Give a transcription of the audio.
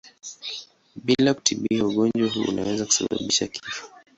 Bila kutibiwa ugonjwa huu unaweza kusababisha kifo.